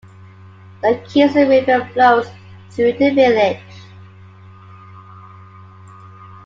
The Kiso River flows through the village.